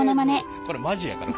これマジやから。